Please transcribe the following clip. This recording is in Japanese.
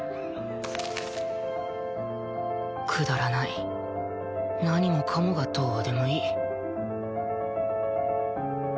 くだらない何もかもがどうでもいい